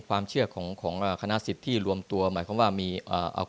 ความเชื่อของของอ่าคณะสิทธิ์ที่รวมตัวหมายความว่ามีอ่า